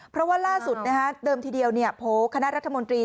เพราะว่าล่าสุดเดิมทีเดียวโผล่คณะรัฐมนตรี